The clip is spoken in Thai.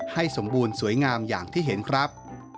ให้สมบูรณ์สวยงามอย่างที่เห็นครับ